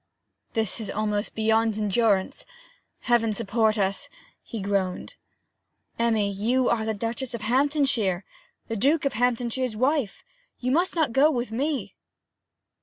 'This is almost beyond endurance Heaven support us,' he groaned. 'Emmy, you are the Duchess of Hamptonshire, the Duke of Hamptonshire's wife; you must not go with me!'